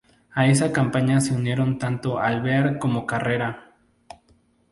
A esa campaña se unieron tanto Alvear como Carrera.